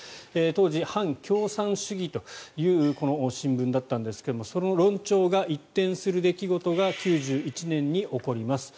当時、反共産主義という新聞だったんですがその論調が一転する出来事が９１年に起こります。